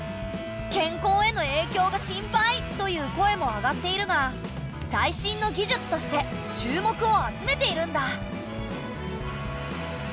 「健康へのえいきょうが心配」という声も上がっているが最新の技術として注目を集めているんだ。